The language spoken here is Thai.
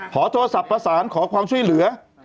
โทรศัพท์ประสานขอความช่วยเหลือ